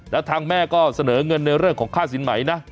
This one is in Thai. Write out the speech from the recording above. แล้วทางแม่ก็เสนอเงินในเรื่องของค่าสินใหม่นะ